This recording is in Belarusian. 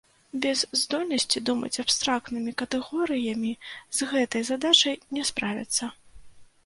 Без здольнасці думаць абстрактнымі катэгорыямі з гэтай задачай не справіцца.